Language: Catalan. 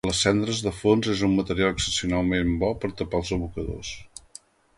Les cendres de fons és un material excepcionalment bo per tapar els abocadors.